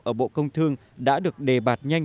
ở bộ công thương đã được đề bạt nhanh